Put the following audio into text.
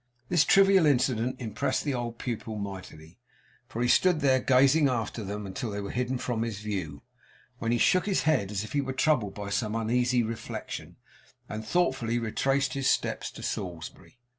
This trivial incident impressed the old pupil mightily, for he stood there, gazing after them, until they were hidden from his view; when he shook his head, as if he were troubled by some uneasy reflection, and thoughtfully retraced his steps to Salisbury.